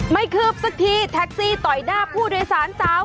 ไม่คือบสักทีแท็กซี่ต่อยด้าผู้โดยสารเจ้า